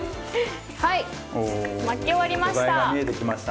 はい巻き終わりました！